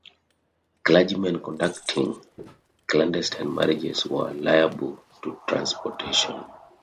Clergymen conducting clandestine marriages were liable to transportation.